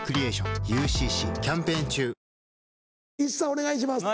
お願いします。